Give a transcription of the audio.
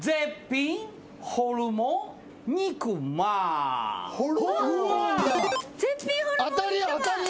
ホルモンだ。